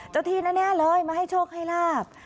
ที่แน่เลยมาให้โชคให้ลาบ